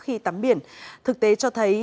khi tắm biển thực tế cho thấy